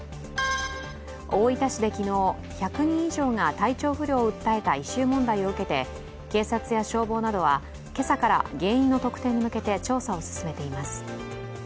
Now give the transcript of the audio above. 大分市で昨日、１００人以上が体調不良を訴えた異臭問題を受けて警察や消防などは、今朝から原因の特定に向けて調査を進めています。